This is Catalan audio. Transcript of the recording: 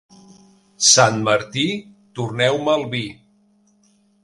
Sant Martí, torneu-me el vi.